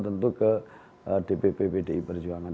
tentu ke dpp pdi perjuangan